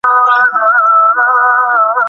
আমি বললুম, নিখিল, তুমি যা বলছ ওগুলো উপদেশ।